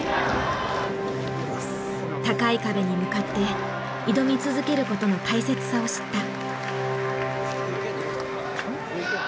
高い壁に向かって挑み続けることの大切さを知った。